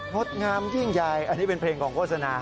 ดงามยิ่งใหญ่อันนี้เป็นเพลงของโฆษณา